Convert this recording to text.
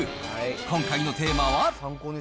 今回のテーマは。